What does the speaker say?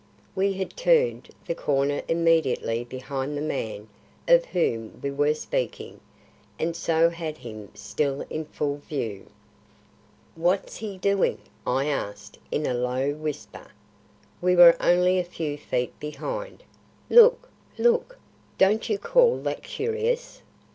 We had turned the corner immediately behind the man of whom we were speaking and so had him still in full view. "What's he doing?" I asked, in a low whisper. We were only a few feet behind. "Look! look! don't you call that curious?"